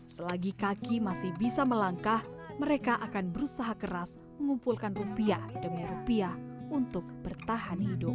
selagi kaki masih bisa melangkah mereka akan berusaha keras mengumpulkan rupiah demi rupiah untuk bertahan hidup